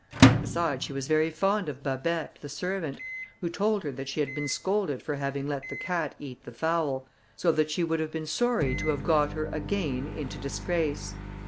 Besides, she was very fond of Babet, the servant, who told her that she had been scolded for having let the cat eat the fowl; so that she would have been sorry to have got her again into disgrace.